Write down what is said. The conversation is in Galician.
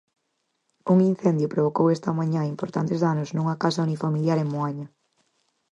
Un incendio provocou esta mañá importantes danos nunha casa unifamiliar en Moaña.